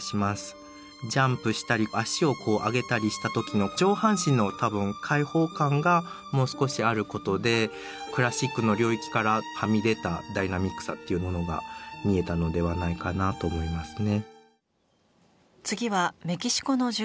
ジャンプしたり足を上げたりした時の上半身の多分開放感がもう少しあることでクラシックの領域からはみ出たダイナミックさっていうものが見えたのではないかなと思いますね。